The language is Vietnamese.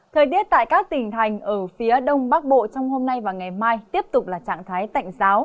thời tiết tại các tỉnh thành ở phía đông bắc bộ trong hôm nay và ngày mai tiếp tục là trạng thái tạnh giáo